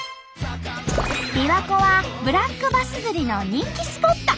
びわ湖はブラックバス釣りの人気スポット。